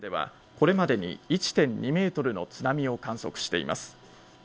これまでに１．２ｍの津波を観測しています。